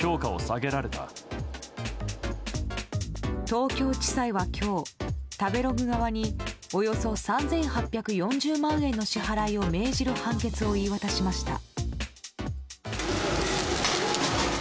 東京地裁は今日、食べログ側におよそ３８４０万円の支払いを命じる判決を言い渡しました。